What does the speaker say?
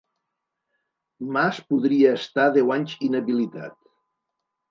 Mas podria estar deu anys inhabilitat